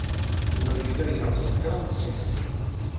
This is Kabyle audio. Yuba yella yeɣs kraḍ seg-sen.